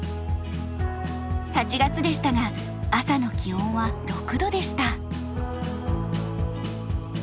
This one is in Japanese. ８月でしたが朝の気温は６度でした。